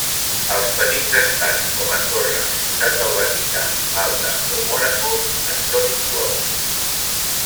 Els petits estats com Andorra, Ciutat del Vaticà, Malta o Mònaco en són inclosos.